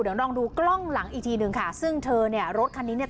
เดี๋ยวลองดูกล้องหลังอีกทีหนึ่งค่ะซึ่งเธอเนี่ยรถคันนี้เนี่ย